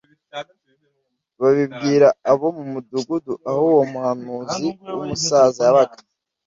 babibwira abo mu mudugudu aho uwo muhanuzi w’umusaza yabaga